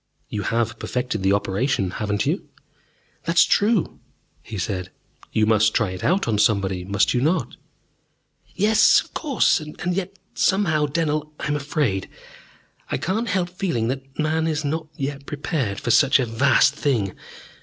"You have perfected the operation, haven't you?" "That is true," he said. "You must try it out on somebody, must you not?" "Yes, of course. And yet somehow, Dennell, I am afraid. I cannot help feeling that man is not yet prepared for such a vast thing.